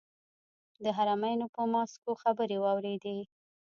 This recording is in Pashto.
د حرمینو پر ماسکو خبرې واورېدې.